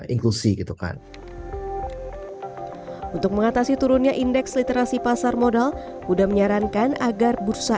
inklusi gitu kan untuk mengatasi turunnya indeks literasi pasar modal huda menyarankan agar bursa